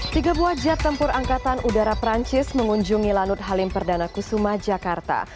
tiga buah jet tempur angkatan udara perancis mengunjungi lanut halim perdana kusuma jakarta